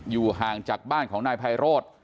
อยู่ห่างจากบ้านของนายไพโรธ